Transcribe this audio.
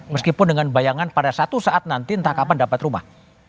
meskipun dengan bayangan pada satu saat nanti entah kapan dapat rumah